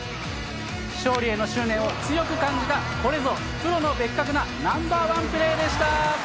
勝利への執念を強く感じたこれぞ、プロのベッカクなＮｏ．１プレーでした。